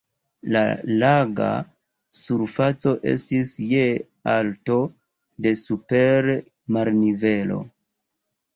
La laga surfaco estis je alto de super marnivelo.